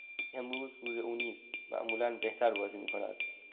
امروز روز او نیست، معمولا بهتر بازی میکند.